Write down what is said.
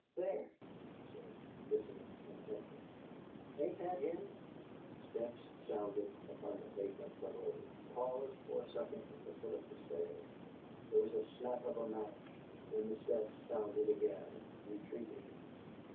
"THERE!" she said, listening intently. "Ain't that him?" Steps sounded upon the pavement below; paused for a second at the foot of the stairs; there was the snap of a match; then the steps sounded again, retreating.